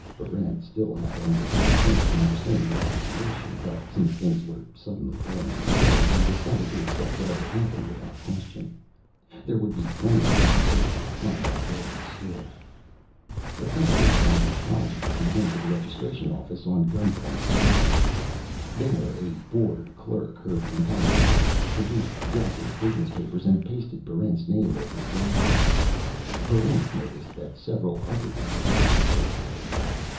Barrent still had only a limited understanding of the situation. But since things were suddenly going his way, he decided to accept whatever happened without question. There would be plenty of time later to find out where he stood. Accompanied by the Hadjis, he went to the Registration Office on Gunpoint Square. There a bored clerk heard the entire story, produced Draken's business papers, and pasted Barrent's name over Draken's. Barrent noticed that several other names had been pasted over.